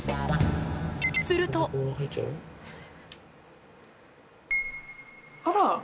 するとあら！